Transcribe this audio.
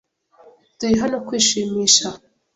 Turi hano kwishimisha.